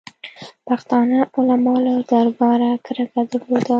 پښتانه علما له دربارو کرکه درلوده.